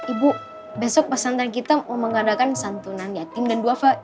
ibu besok pasantren kita mau mengadakan santunan yatim dan dua fa